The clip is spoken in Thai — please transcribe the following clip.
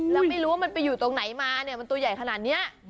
แล้วไม่รู้ว่ามันไปอยู่ตรงไหนมาเนี่ยมันตัวใหญ่ขนาดนี้